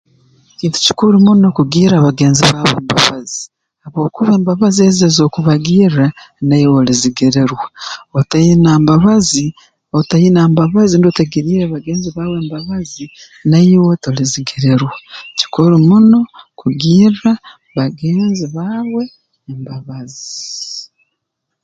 Kintu kikuru muno kugirra bagenzi baawe embabazi habwokuba embabazi ezi ez'okubagirra naiwe olizigirirwa otaina mbabazi otaina mbabazi rundi otagiriire bagenzi baawe embabazi naiwe tolizigirirwa kikuru muno kugirra bagenzi baawe embabazi